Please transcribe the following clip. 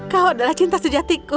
kau adalah cinta sejatiku